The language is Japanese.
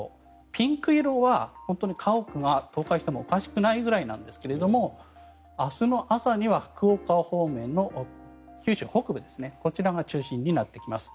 ピンク色は家屋が倒壊してもおかしくないぐらいなんですが明日の朝には福岡方面の九州北部ですねこちらが中心になってきます。